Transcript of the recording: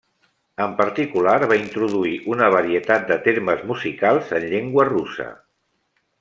En particular, va introduir una varietat de termes musicals en llengua russa.